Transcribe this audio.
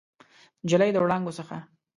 نجلۍ د وړانګو څخه